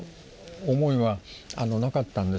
思いはなかったんです。